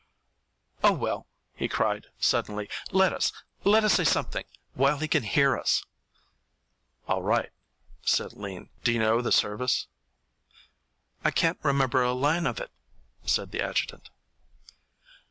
"Oh, well," he cried, suddenly, "let us let us say something while he can hear us." "All right," said Lean. "Do you know the service?" "I can't remember a line of it," said the adjutant.